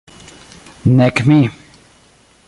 Nek mi.